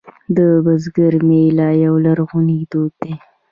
د بزګر میله یو لرغونی دود دی